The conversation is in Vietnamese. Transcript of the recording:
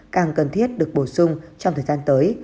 càng cần thiết được bổ sung trong thời gian tới